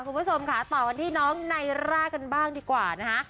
คุณผู้ชมค่ะต่อกันที่น้องไนร่ากันบ้างดีกว่านะคะ